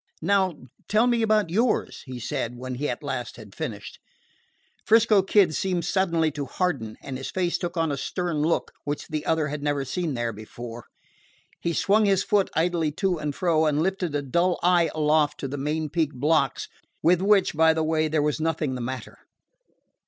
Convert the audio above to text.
"Now tell me about yours," he said when he at last had finished. 'Frisco Kid seemed suddenly to harden, and his face took on a stern look which the other had never seen there before. He swung his foot idly to and fro, and lifted a dull eye aloft to the main peak blocks, with which, by the way, there was nothing the matter.